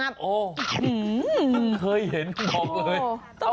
เคยเห็นบอกเลย